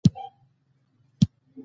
هلته له مسلط کلتور سره سیالي روانه وه.